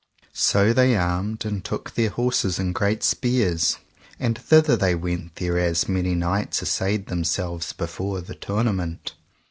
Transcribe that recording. So they armed them, and took their horses and great spears, and thither they went thereas many knights assayed themself before the tournament.